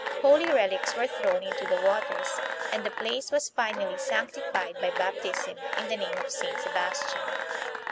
Holy relics were thrown into the waters, and the place was finally sanctified by baptism in the name of Saint Sebas tian.